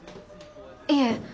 いえ。